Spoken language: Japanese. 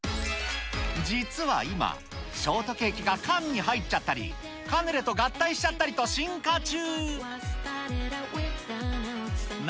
実は今、ショートケーキが缶に入っちゃたり、カヌレと合体しちゃったりと、進化中。